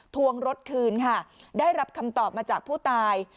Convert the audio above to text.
วงรถคืนค่ะได้รับคำตอบมาจากผู้ตาย